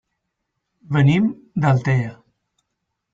Venim d'Altea.